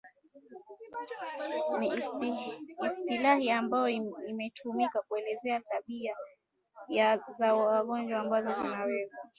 ni istilahi ambayo imetumika kuelezea tabia za wagonjwa ambazo zinaweza